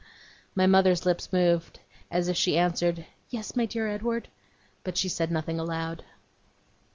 My mother's lips moved, as if she answered 'Yes, my dear Edward,' but she said nothing aloud.